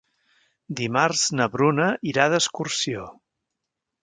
Dimarts na Bruna irà d'excursió.